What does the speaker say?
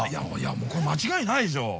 これ間違いないでしょ。